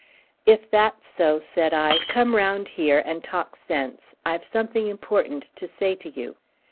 "If that's so," said I, "come round here and talk sense. I've something important to say to you."